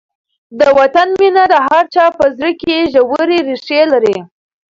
د وطن مینه د هر چا په زړه کې ژورې ریښې لري.